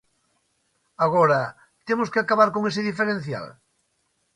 Agora, ¿temos que acabar con ese diferencial?